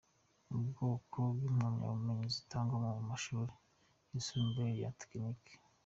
Ubwoko bw’impamyabumenyi zitangwa ku mashuri yisumbuye ya Tekinike.